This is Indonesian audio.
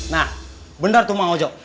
nah benar tuh mang ojo